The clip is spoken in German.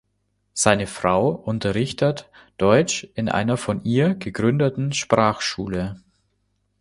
Seine Frau unterrichtet Deutsch in einer von ihr gegründeten Sprachschule.